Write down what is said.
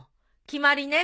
決まりね！